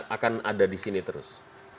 akan ada disini terus